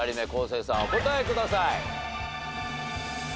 生さんお答えください。